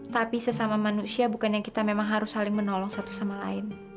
tapi sesama manusia bukannya kita harus saling menolong satu sama lain